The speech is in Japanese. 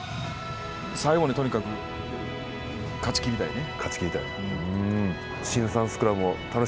最後に、とにかく勝ちきりたいね。